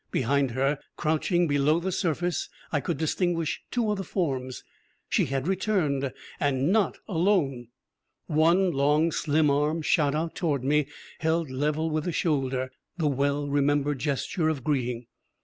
Behind her, crouching below the surface, I could distinguish two other forms. She had returned, and not alone! One long, slim arm shot out toward me, held level with the shoulder: the well remembered gesture of greeting.